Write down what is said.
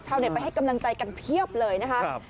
ชาวเน็ตไปให้กำลังใจกันเพียบเลยนะคะ